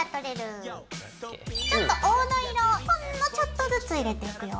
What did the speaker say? ちょっと黄土色をほんのちょっとずつ入れていくよ。